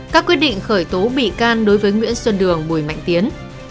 các quyết định khởi tố bị can đối với nguyễn xuân đường bùi mạnh tiến